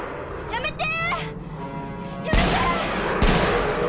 やめて！